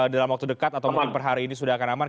dalam waktu dekat atau mungkin per hari ini sudah akan aman